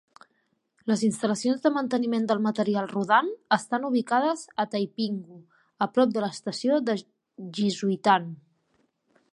Les instal·lacions de manteniment del material rodant estan ubicades a Taipinghu, a prop de l'estació de Jishuitan.